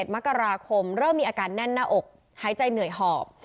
มกราคมเริ่มมีอาการแน่นหน้าอกหายใจเหนื่อยหอบ